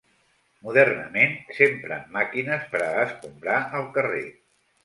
Modernament s'empren màquines per a escombrar el carrer.